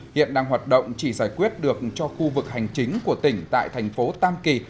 hiện đang hoạt động chỉ giải quyết được cho khu vực hành chính của tỉnh tại thành phố tam kỳ